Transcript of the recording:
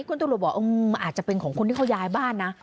คุณตุลุบบอกอาจจะเป็นของคนที่เขายายบ้านนะ